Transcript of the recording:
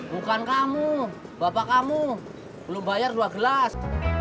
bukan kamu bapak kamu belum bayar dua gelas